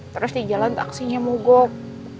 terus di jalan aksinya mogok